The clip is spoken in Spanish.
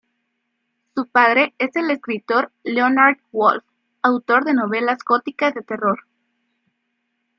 Su padre es el escritor Leonard Wolf, autor de novelas góticas de terror.